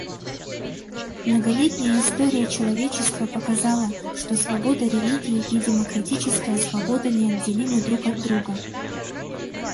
Многолетняя история человечества показала, что свобода религии и демократическая свобода неотделимы друг от друга.